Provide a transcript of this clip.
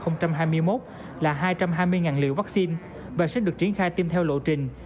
năm hai nghìn hai mươi một là hai trăm hai mươi liều vaccine và sẽ được triển khai tiêm theo lộ trình